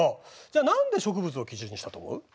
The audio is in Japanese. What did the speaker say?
じゃあ何で植物を基準にしたと思う？